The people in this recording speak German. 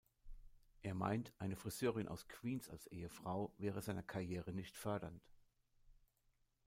Er meint, eine Friseurin aus Queens als Ehefrau wäre seiner Karriere nicht fördernd.